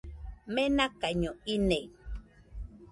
Menakaiño ine